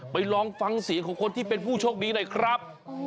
ลองฟังเสียงของคนที่เป็นผู้โชคดีหน่อยครับ